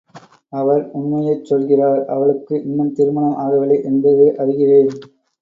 அவர் உண்மையைச் சொல்கிறார், அவளுக்கு இன்னும் திருமணம் ஆகவில்லை என்பது அறிகிறேன்.